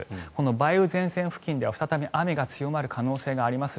梅雨前線付近では再び雨が強まる恐れがあります。